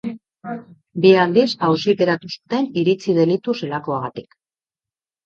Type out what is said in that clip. Bi aldiz auziperatu zuten iritzi-delitu zelakoagatik.